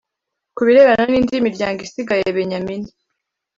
Ku birebana n indi miryango isigaye Benyamini